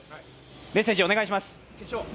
メッセージお願いします。